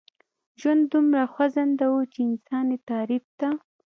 ژوند دومره خوځنده و چې انسان يې تعريف ته.